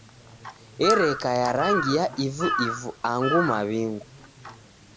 Ereka ya rangi ya ivu ivu angu maw'ingu.